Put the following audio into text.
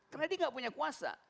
karena dia enggak punya kuasa